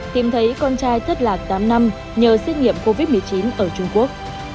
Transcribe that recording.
tìm thấy con trai thất lạc tám năm nhờ xét nghiệm covid một mươi chín ở trung quốc